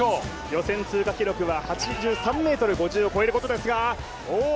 予選通過記録は８３ｍ５０を越えることですが。